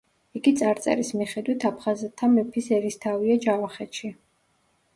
იგი წარწერის მიხედვით, აფხაზთა მეფის ერისთავია ჯავახეთში.